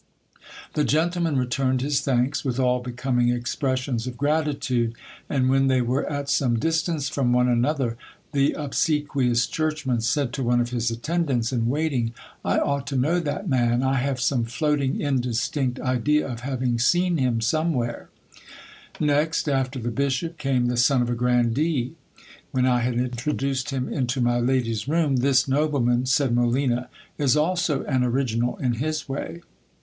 The gentleman returned his thanks with all becoming expressions of gratitude, and when they were at some dis tance from one another, the obsequious churchman said to one of his attendants CHAR ACT 7 " THE LICENTIATE CAMPAXARIO. 77] In waiting — I ought to. ...;ot that man ; I have some floating, indistinct idea of having seen him some h Next after the bishop, came the son of a grandee. When I had introduced him into my lady's room — This nobleman, said Molina, is also an original in his way.